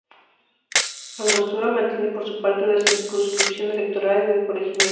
Angostura mantiene por su parte una circunscripción electoral en el corregimiento.